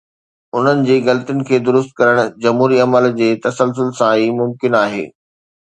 انهن جي غلطين کي درست ڪرڻ جمهوري عمل جي تسلسل سان ئي ممڪن آهي.